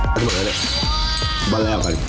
ไม่เหมือนอะไรเลยมันแร่ออกไป